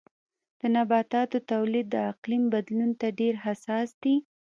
د نباتاتو تولید د اقلیم بدلون ته ډېر حساس دی.